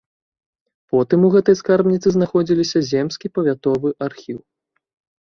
Потым у гэтай скарбніцы знаходзіліся земскі павятовы архіў.